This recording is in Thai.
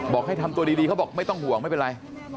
บอกให้ทำตัวดีเขาบอกไม่ต้องห่วงไม่เป็นไร